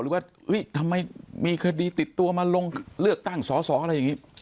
ว่าทำไมมีคดีติดตัวมาลงเลือกตั้งสอสออะไรอย่างนี้